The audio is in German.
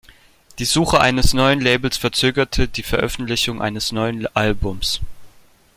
Die Suche eines neuen Labels verzögerte die Veröffentlichung eines neuen Albums.